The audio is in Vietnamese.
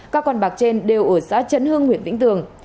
các con bạc trên đều ở xã trấn hưng huyện vĩnh tường